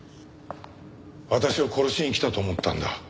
私を殺しに来たと思ったんだ。